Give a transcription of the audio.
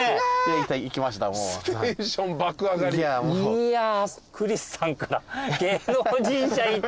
いやクリスさんから芸能神社。